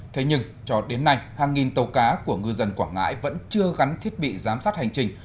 thế nhưng cho đến nay hàng nghìn tàu cá của ngư dân quảng ngãi vẫn chưa gắn thiết bị giám sát hành trình